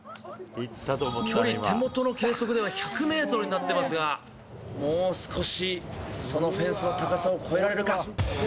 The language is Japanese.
距離、手元の計測では１００メートルになってますが、もう少し、そのフェンスの高さを越えられるか。